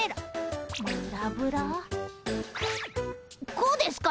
こうですか？